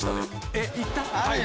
えっ言った？